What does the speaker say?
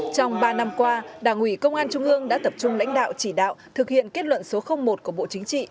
trong ba năm qua đảng ủy công an trung ương đã tập trung lãnh đạo chỉ đạo thực hiện kết luận số một của bộ chính trị